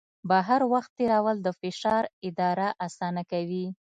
بهر وخت تېرول د فشار اداره اسانه کوي.